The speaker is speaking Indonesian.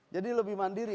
jadi lebih mandiri